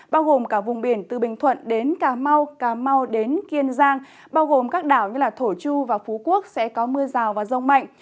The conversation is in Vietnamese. bao gồm cả vùng biển từ bình thuận đến cà mau cà mau đến kiên giang bao gồm các đảo như thổ chu và phú quốc sẽ có mưa rào và rông mạnh